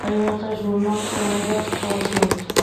გაიმართა ჟურნალ „ომეგას“ თაოსნობით.